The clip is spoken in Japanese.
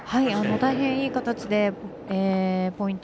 大変いい形でポイント